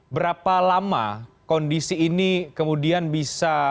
berapa lama kondisi ini kemudian bisa